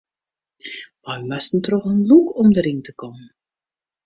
Wy moasten troch in lûk om deryn te kommen.